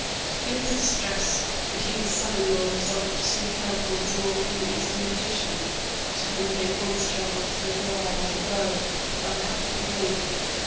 In this distress, the King's son in law resolved to seek help once more from the Eastern magician, to whom he at once travelled through the air like a bird by the help of the ring.